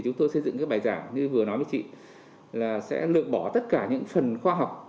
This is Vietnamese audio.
chúng tôi xây dựng các bài giảng như vừa nói với chị là sẽ lược bỏ tất cả những phần khoa học